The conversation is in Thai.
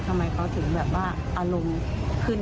ทำไมเขาถึงแบบว่าอารมณ์ขึ้น